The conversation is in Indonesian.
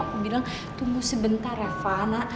aku bilang tunggu sebentar reva